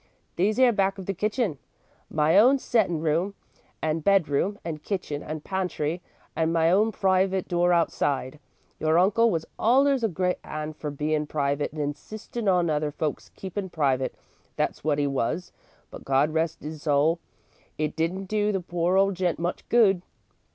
"These 'ere, back of the kitchen. My own settin' room and bedroom and kitchen and pantry and my own private door outside. Your uncle was allers a great hand for bein' private and insistin' on other folks keepin' private, that 's wot 'e was, but God rest 'is soul, it didn't do the poor old gent much good."